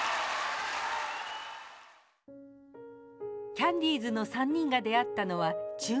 キャンディーズの３人が出会ったのは中学生の時。